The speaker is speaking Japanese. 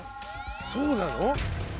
そうなの？